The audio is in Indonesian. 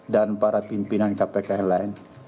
dan para pimpinan kpk yang lain